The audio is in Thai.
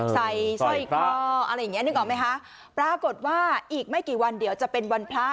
สร้อยคออะไรอย่างเงี้นึกออกไหมคะปรากฏว่าอีกไม่กี่วันเดี๋ยวจะเป็นวันพระ